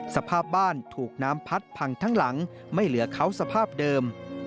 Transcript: สภาพบ้านถูกน้ำพัดพังทั้งหลังไม่เหลือเขาสภาพเดิม